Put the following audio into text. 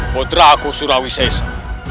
putraku surawi sesa